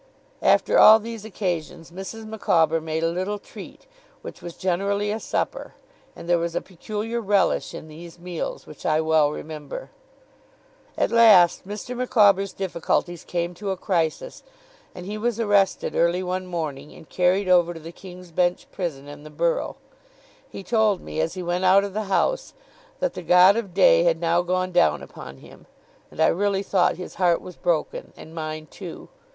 After all these occasions Mrs. Micawber made a little treat, which was generally a supper; and there was a peculiar relish in these meals which I well remember. At last Mr. Micawber's difficulties came to a crisis, and he was arrested early one morning, and carried over to the King's Bench Prison in the Borough. He told me, as he went out of the house, that the God of day had now gone down upon him and I really thought his heart was broken and mine too.